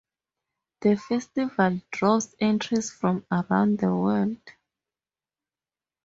The festival draws entries from around the world.